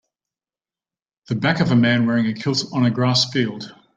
The back of a man wearing a kilt on a grass field.